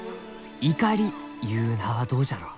「『イカリ』ゆう名はどうじゃろう？